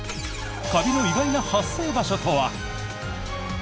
カビの意外な発生場所とは？